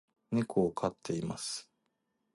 猫を飼っています